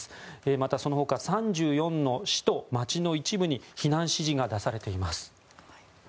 また、その他３４の市と町の一部に避難指示が出されています。